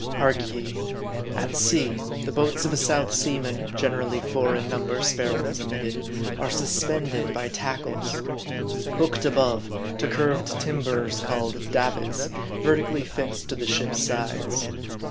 Hark ye:' At sea, the boats of a South Sea man (generally four in number, spare ones omitted,) are suspended by tackles, hooked above, to curved timbers called "davits," vertically fixed to the ship's sides.